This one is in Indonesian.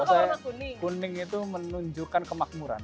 karena warna kuning itu menunjukkan kemakmuran